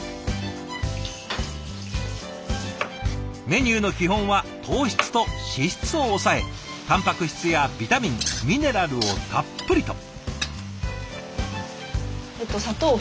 メニューの基本は糖質と脂質を抑えたんぱく質やビタミンミネラルをたっぷりと。